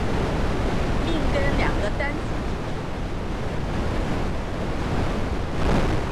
命根两个单字组成。